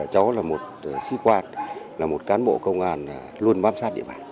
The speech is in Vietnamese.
cháu là một sĩ quan là một cán bộ công an luôn bám sát địa bàn